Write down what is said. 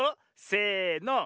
せの。